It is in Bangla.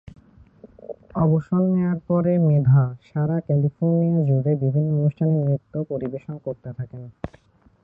অবসর নেওয়ার পরে মেধা সারা ক্যালিফোর্নিয়া জুড়ে বিভিন্ন অনুষ্ঠানে নৃত্য পরিবেশন করতে থাকেন।